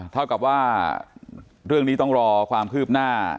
เท่ากับว่าเรื่องนี้ต้องรอความคืบหน้า